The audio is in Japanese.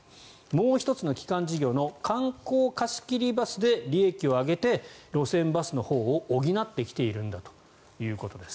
もう１つの基幹事業の観光貸し切りバスで利益を上げて路線バスのほうを補ってきているんだということです。